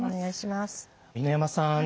犬山さん